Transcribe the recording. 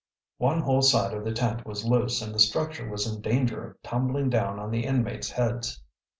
One whole side of the tent was loose and the structure was in danger of tumbling down on the inmates' heads.